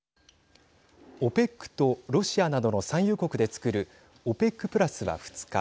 ＯＰＥＣとロシアなどの産油国でつくるＯＰＥＣプラスは２日